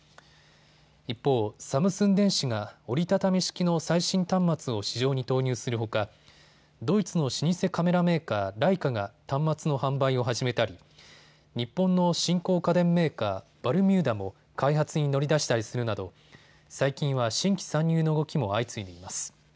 一方、サムスン電子が折り畳み式の最新端末を市場に投入するほか、ドイツの老舗カメラメーカー、ライカが端末の販売を始めたり、日本の新興家電メーカー、バルミューダも開発に乗り出したりするなど最近は新規参入の動きも相次いでいます。